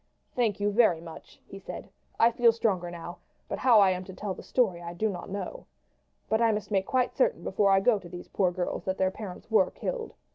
"Thank you very much," he said. "I feel stronger now; but how I am to tell the story I do not know. But I must make quite certain before I go to these poor girls that their parents were killed.